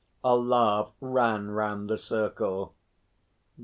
A laugh ran round the circle.